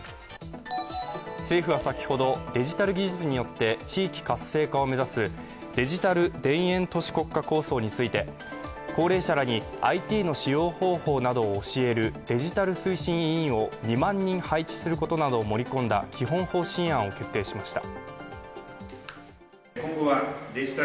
政府は先ほどデジタル技術によって地域活性化を目指すデジタル田園都市国家構想について、高齢者らにＩＴの使用方法などを教えるデジタル推進委員を２万人配置することなどを盛り込んだ基本方針案を決定しました。